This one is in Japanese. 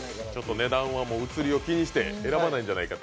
値段は映りを気にして選ばないんじゃないかと。